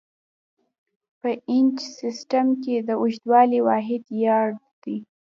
په انچ سیسټم کې د اوږدوالي واحد یارډ دی.